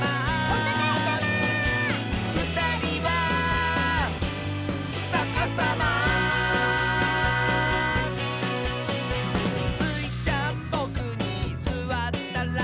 「おたがいさま」「ふたりはさかさま」「スイちゃんボクにすわったら」